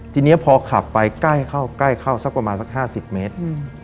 ทีนี้พอขับไปใกล้เข้าใกล้เข้าสักประมาณสัก๕๐เมตร